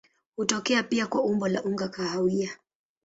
Hutokea pia kwa umbo la unga kahawia.